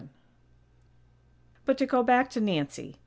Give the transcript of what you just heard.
XI But to go back to Nancy.